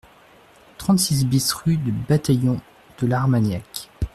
trente-six BIS rue du Bataillon de l'Armagnac